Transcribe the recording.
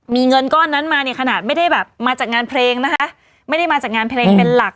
มีเงินก้อนนั้นมาเนี่ยขนาดไม่ได้แบบมาจากงานเพลงนะคะไม่ได้มาจากงานเพลงเป็นหลัก